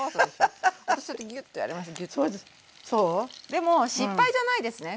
でも失敗じゃないですね